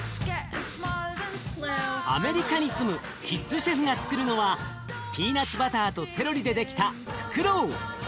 アメリカに住むキッズシェフがつくるのはピーナツバターとセロリでできたふくろう。